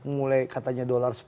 mulai katanya dolar